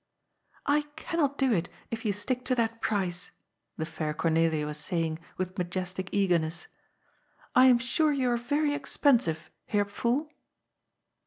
" I cannot do it, if you stick to that price," the fair Cor nelia was saying with majestic eagerness ;^' I am sure you are yery expensive, Herr Pfuhl."